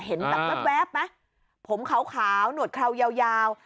เห็นแบบแวบแวบไหมผมขาวขาวหนวดเคราะห์ยาวยาว